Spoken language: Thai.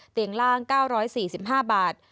เตียงล่าง๙๔๕บาท